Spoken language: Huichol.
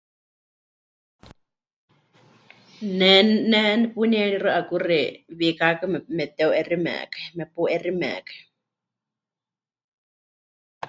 Ne, ne nepunieríxɨ 'akuxi wiikákɨ me... mepɨteu'eximekai, mepu'eximekai.